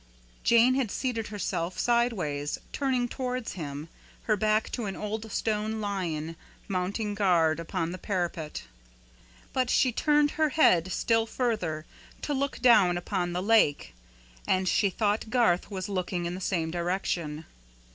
Jane had seated herself sideways, turning towards him, her back to an old stone lion mounting guard upon the parapet; but she turned her head still further, to look down upon the lake, and she thought Garth was looking in the same direction.